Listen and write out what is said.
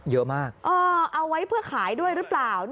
เยอะมากเอาไว้เพื่อขายด้วยหรือเปล่า